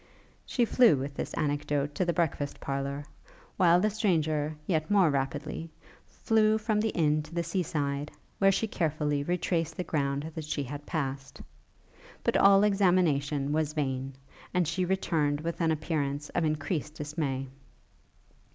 She flew with this anecdote to the breakfast parlour; while the stranger, yet more rapidly, flew from the inn to the sea side, where she carefully retraced the ground that she had passed; but all examination was vain, and she returned with an appearance of increased dismay.